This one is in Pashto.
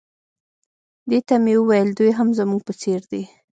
دې ته مې وویل دوی هم زموږ په څېر دي.